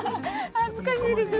恥ずかしいですよ